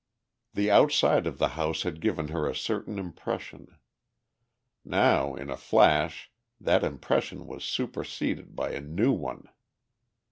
The outside of the house had given her a certain impression. Now, in a flash, that impression was superseded by a new one.